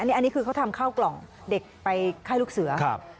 อันนี้คือเขาทำข้าวกล่องเด็กไปค่ายลูกเสือ